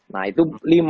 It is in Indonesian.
nah itu lima